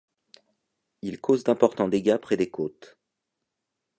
Il cause d'importants dégâts près des côtes.